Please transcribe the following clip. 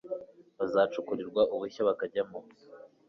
bazacukurirwa ubushya bakajyamo